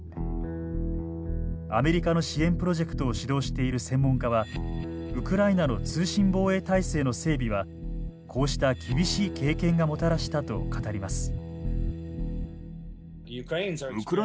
アメリカの支援プロジェクトを主導している専門家はウクライナの通信防衛体制の整備はこうした厳しい経験がもたらしたと語ります。